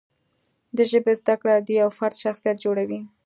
د ژبې زده کړه د یوه فرد شخصیت جوړوي.